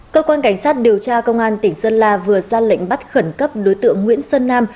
cơ quan cảnh sát điều tra công an tỉnh sơn la vừa ra lệnh bắt khẩn cấp đối tượng nguyễn sơn nam